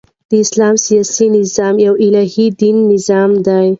د اسلام سیاسي نظام یو الهي دیني نظام دئ.